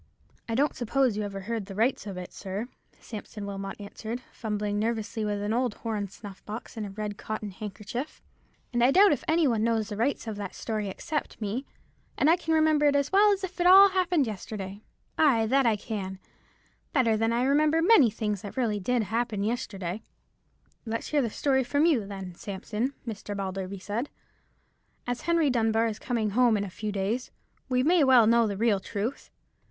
"I don't suppose you ever heard the rights of it, sir," Sampson Wilmot answered, fumbling nervously with an old horn snuff box and a red cotton handkerchief, "and I doubt if any one knows the rights of that story except me, and I can remember it as well as if it all happened yesterday—ay, that I can—better than I remember many things that really did happen yesterday." "Let's hear the story from you, then, Sampson," Mr. Balderby said. "As Henry Dunbar is coming home in a few days, we may as well know the real truth.